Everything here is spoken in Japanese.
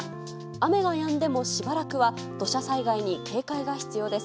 雨がやんでも、しばらくは土砂災害に警戒が必要です。